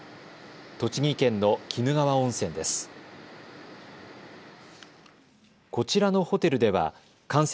栃木県の鬼怒川温泉です。